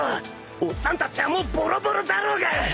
おっさんたちはもうボロボロだろうが！